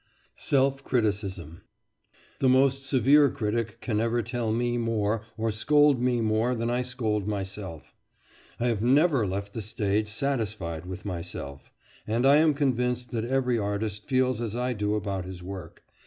SELF CRITICISM The most severe critic can never tell me more, or scold me more than I scold myself. I have never left the stage satisfied with myself. And I am convinced that every artist feels as I do about his work.